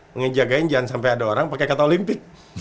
mengejagain jangan sampai ada orang pakai kata olimpik